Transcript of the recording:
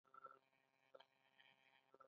دا ځواب به هغه مهال چې لولئ يې ذهن کې غځونې وکړي.